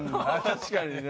確かにね。